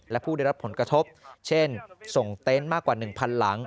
และผู้ได้รับผลกระทบเช่นส่งเต็นต์มากกว่า๑๐๐หลัง